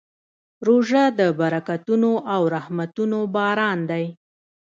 روژه د برکتونو او رحمتونو باران دی.